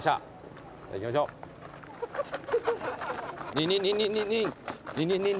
ニンニンニンニンニンニンニンニン。